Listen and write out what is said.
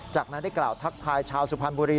จากนั้นได้กล่าวทักทายชาวสุพรรณบุรี